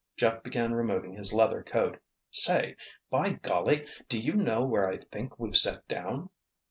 Jeff began removing his leather coat. "Say! By golly! Do you know where I think we've set down?"